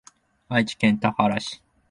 愛知県田原市